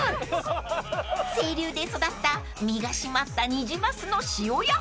［清流で育った身が締まったニジマスの塩焼き］